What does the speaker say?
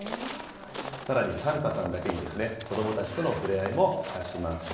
さらに、サンタさんだけにですね、子どもたちとのふれあいも欠かしません。